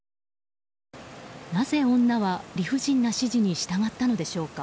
なぜ女は理不尽な指示に従ったのでしょうか。